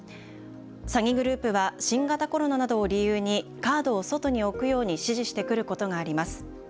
詐欺グループは新型コロナなどを理由にカードを外に置くように指示してくることがあります。